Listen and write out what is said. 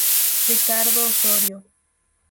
Ricardo Osorio